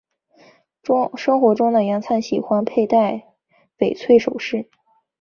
生活中的汤灿喜欢佩戴翡翠首饰。